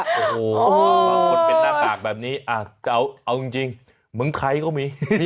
โอ้โหบางคนเป็นหน้ากากแบบนี้จะเอาจริงเหมือนใครก็มี